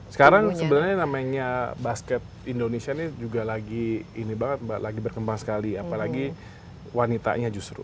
sekarang sebenarnya namanya basket indonesia ini juga lagi ini banget mbak lagi berkembang sekali apalagi wanitanya justru